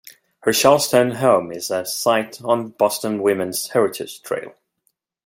Her Charlestown home is a site on the Boston Women's Heritage Trail.